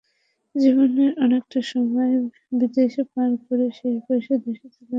জীবনের অনেকটা সময় বিদেশে পার করে শেষ বয়সে দেশে চলে আসেন অনেকেই।